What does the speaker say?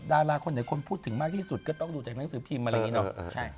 ดาราคนเดี๋ยวคนพูดถึงมากที่สุดก็ต้องดูจากหนังสือพิมพ์มาละงี้เนาะ